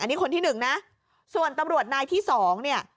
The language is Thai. อันนี้คนที่หนึ่งนะส่วนตำรวจนายที่สองเนี่ย